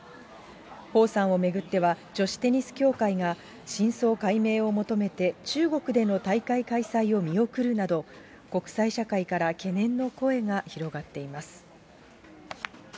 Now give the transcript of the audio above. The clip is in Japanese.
彭さんを巡っては、女子テニス協会が真相解明を求めて、中国での大会開催を見送るなど、国際社会から懸念の声が広がっています。